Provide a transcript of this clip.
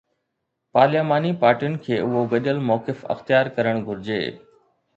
پارلياماني پارٽين کي اهو گڏيل موقف اختيار ڪرڻ گهرجي.